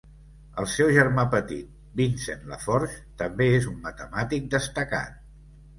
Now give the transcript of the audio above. El seu germà petit, Vincent Lafforgue, també és un matemàtic destacat.